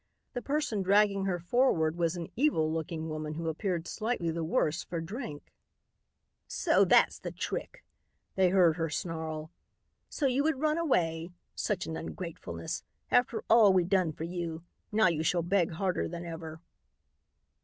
The person dragging her forward was an evil looking woman who appeared slightly the worse for drink. "So that's the trick," they heard her snarl. "So you would run away! Such an ungratefulness. After all we done for you. Now you shall beg harder than ever."